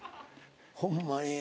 ホンマに。